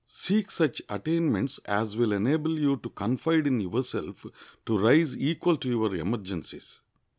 Seek such attainments as will enable you to confide in yourself, to rise equal to your emergencies.